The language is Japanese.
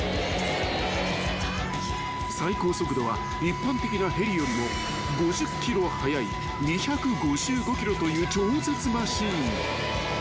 ［最高速度は一般的なヘリよりも５０キロ速い２５５キロという超絶マシン］